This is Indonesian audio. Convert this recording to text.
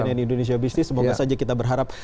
di cnn indonesia business semoga saja kita berhati hati